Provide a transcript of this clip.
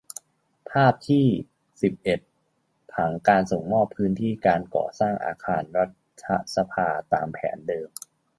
ภาพที่ สิบเอ็ด ผังการส่งมอบพื้นที่การก่อสร้างอาคารรัฐสภาตามแผนเดิม